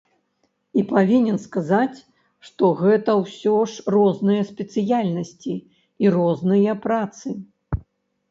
І павінен сказаць, што гэта ўсё ж розныя спецыяльнасці і розныя працы.